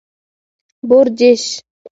🐊 بورچېش